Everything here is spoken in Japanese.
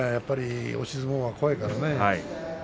押し相撲は怖いですからね。